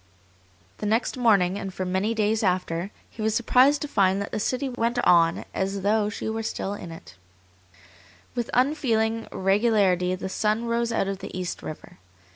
The next morning, and for many days after, he was surprised to find that the city went on as though she still were in it. With unfeeling regularity the sun rose out of the East River.